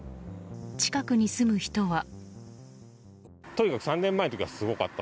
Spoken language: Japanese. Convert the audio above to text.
近くに住む人は。